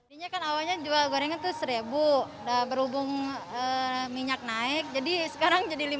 ini kan awalnya jual gorengan tuh seribu berhubung minyak naik jadi sekarang jadi lima puluh